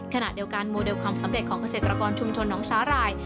ขณะเดียวกันโมเดลความสำเร็จของเกษตรกรชุมชนน้องสาหร่าย